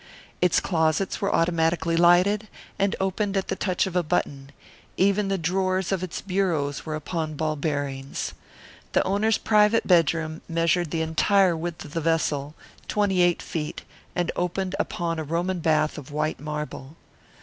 Its closets were automatically lighted, and opened at the touch of a button; even the drawers of its bureaus were upon ball bearings. The owner's private bedroom measured the entire width of the vessel, twenty eight feet, and opened upon a Roman bath of white marble.